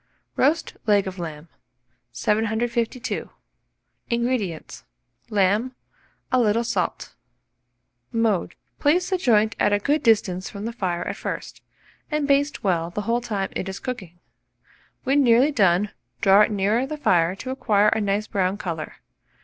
ROAST LEG OF LAMB. 752. INGREDIENTS. Lamb, a little salt. [Illustration: LEG OF LAMB.] Mode. Place the joint at a good distance from the fire at first, and baste well the whole time it is cooking. When nearly done, draw it nearer the fire to acquire a nice brown colour.